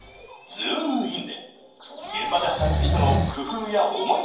ズームイン！